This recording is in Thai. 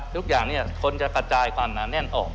ทุกอย่างคนจะกระจายกว่านานแน่นออก